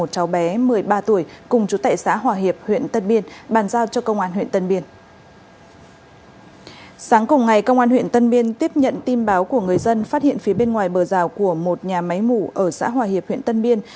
tân biên tiếp nhận tin báo của người dân phát hiện phía bên ngoài bờ rào của một nhà máy mũ ở xã hòa hiệp huyện tân biên